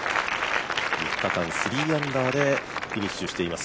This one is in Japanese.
３日間３アンダーでフィニッシュしています。